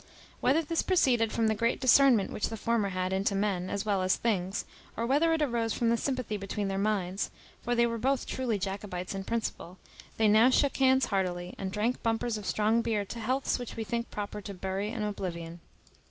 Whether this proceeded from the great discernment which the former had into men, as well as things, or whether it arose from the sympathy between their minds; for they were both truly Jacobites in principle; they now shook hands heartily, and drank bumpers of strong beer to healths which we think proper to bury in oblivion.